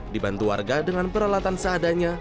dibantu warga dengan peralatan seadanya